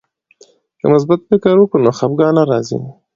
که مثبت فکر وکړو نو خفګان نه راځي.